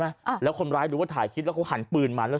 อ่าแล้วคนร้ายรู้ว่าถ่ายคลิปแล้วเขาหันปืนมาแล้ว